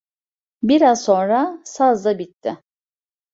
Biraz sonra saz da bitti.